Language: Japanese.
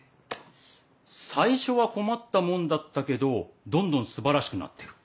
最初は困ったもんだったけどどんどん素晴らしくなってる。